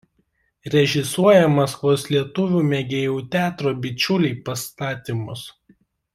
Režisuoja Maskvos lietuvių mėgėjų teatro „Bičiuliai“ pastatymus.